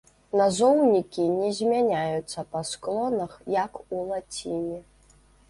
Назоўнікі не змяняюцца па склонах, як у лаціне.